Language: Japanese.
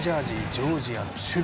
ジョージアの守備。